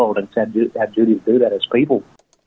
dan bagaimana judy melakukan itu sebagai orang